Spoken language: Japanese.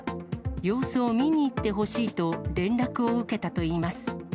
様子を見に行ってほしいと連絡を受けたといいます。